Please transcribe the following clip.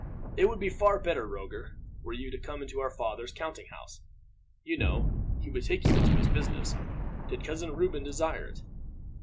"It would be far better, Roger, were you to come into our father's counting house. You know he would take you into his business, did Cousin Reuben desire it."